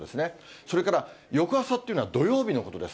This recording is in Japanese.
それから翌朝っていうのは土曜日のことです。